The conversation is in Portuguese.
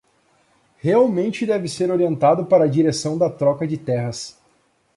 Realmente deve ser orientado para a direção da troca de terras